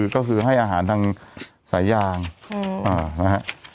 ก็คือให้อาหารทางสายยางนะฮะ